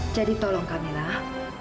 jadi tolong kamilah